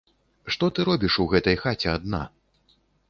Што ты робіш у гэтай хаце адна?